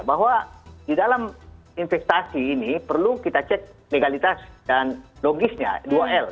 bahwa di dalam investasi ini perlu kita cek legalitas dan logisnya dua l